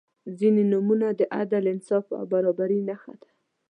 • ځینې نومونه د عدل، انصاف او برابري نښه ده.